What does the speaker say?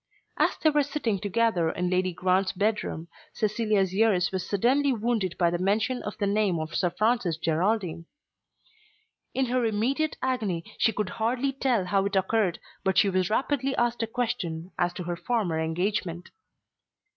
As they were sitting together in Lady Grant's bedroom Cecilia's ears were suddenly wounded by the mention of the name of Sir Francis Geraldine. In her immediate agony she could hardly tell how it occurred, but she was rapidly asked a question as to her former engagement.